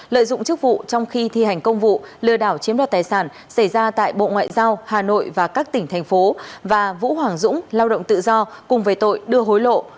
lợi dụng chức vụ trong khi thi hành công vụ lừa đảo chiếm đoạt tài sản xảy ra tại bộ ngoại giao hà nội và các tỉnh thành phố và vũ hoàng dũng lao động tự do cùng về tội đưa hối lộ